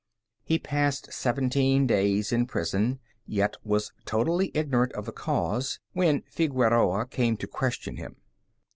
He passed seventeen days in prison, yet was totally ignorant of the cause, when Figueroa came to question him.